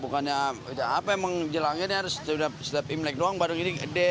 bukannya apa yang menjelangnya ini setiap imlek doang bandeng ini gede